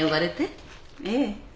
ええ。